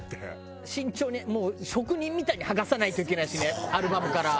慎重にもう職人みたいに剥がさないといけないしねアルバムから。